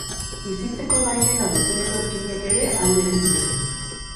Bizitzeko baimena duten etorkinek ere alde egin dute.